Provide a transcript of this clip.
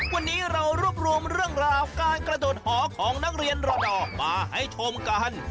วันนี้เรารวบรวมเรื่องราวการกระโดดหอของนักเรียนรอดอร์มาให้ชมกัน